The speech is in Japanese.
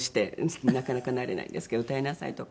なかなかなれないんですけど歌いなさいとか。